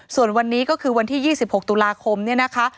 ส่วนวันนี้ก็คือวันที่๒๖ตุลาคมเนี่ยนะคะ